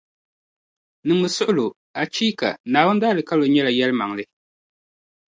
Niŋmi suɣulo, Achiika! Naawuni daalikauli nyɛla yεlimaŋli.